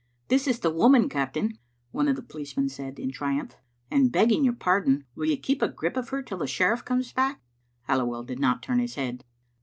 "This is the woman, captain," one of the policemen said in triumph; "and, begging your pardon, will you keep a grip of her till the sheriff comes back?" Halliwell did not turn his head.